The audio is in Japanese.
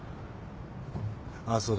あっそうだ。